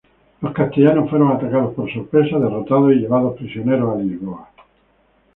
Los castellanos fueron atacados por sorpresa, derrotados y llevados prisioneros a Lisboa.